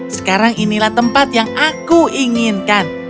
sekarang inilah tempat yang aku inginkan